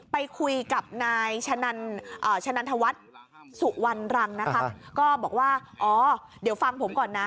ไปคุยกับนายชะนันทวัฒน์สุวรรณรังนะคะก็บอกว่าอ๋อเดี๋ยวฟังผมก่อนนะ